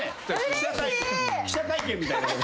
記者会見みたい。